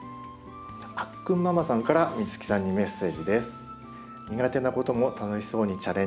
あっくんママさんから美月さんにメッセージです。